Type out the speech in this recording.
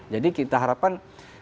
jadi kita harapan